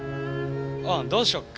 うんどうしよっか？